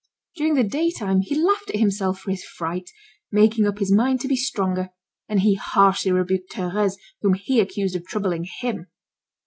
During the daytime he laughed at himself for his fright, making up his mind to be stronger, and he harshly rebuked Thérèse, whom he accused of troubling him.